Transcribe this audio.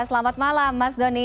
selamat malam mas doni